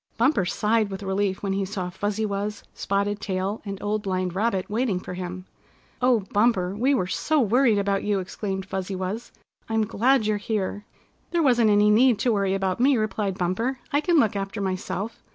Bumper sighed with relief when he saw Fuzzy Wuzz, Spotted Tail and Old Blind Rabbit waiting for him. "Oh, Bumper, we were so worried about you!" exclaimed Fuzzy Wuzz. "I'm glad you're here!" "There wasn't any need to worry about me," replied Bumper. "I can look after myself.